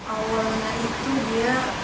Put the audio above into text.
awalnya itu dia